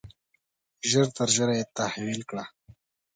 ژر تر ژره یې تحویل کړه.